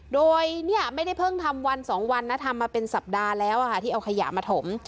โดยเนี่ยไม่ได้เพิ่งทำวันสองวันนะทำมาเป็นสัปดาห์แล้วที่เอาขยะมาถม